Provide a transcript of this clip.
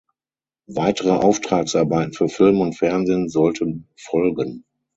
Weitere Auftragsarbeiten für Film und Fernsehen sollten folgen.